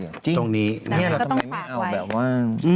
ตรงนี้เลยต้องสะไกลเมี้ยเราทำไมไม่เอาแบบว่า